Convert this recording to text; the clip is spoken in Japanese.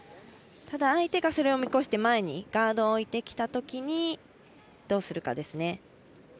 ただ、相手がそれを見越して前にガードを置いてきたときにどうするかですね。